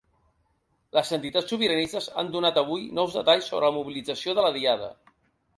Les entitats sobiranistes han donat avui nous detalls sobre la mobilització de la Diada.